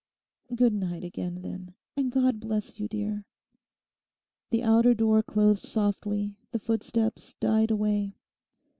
'Good night again, then; and God bless you, dear.' The outer door closed softly, the footsteps died away.